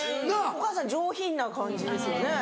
お母さん上品な感じですよね。